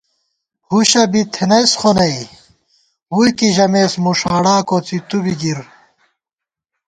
ہُݭہ بی تھنَئیس خو نئ ، ووئی کی ژَمېس مُݭاڑا کوڅی تُوبی گِر